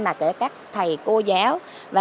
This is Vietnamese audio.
hoặc thầy cô giáo